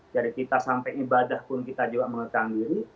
jadi kita sampai ibadah pun kita juga mengekang diri